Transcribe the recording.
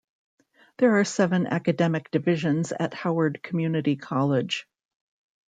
There are seven academic divisions at Howard Community College.